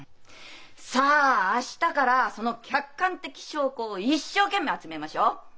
さあ明日からその客観的証拠を一生懸命集めましょう！